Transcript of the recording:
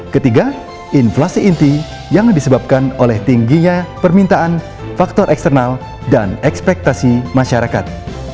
ketiga inflasi inti yang disebabkan oleh tingginya permintaan faktor eksternal dan ekspektasi masyarakat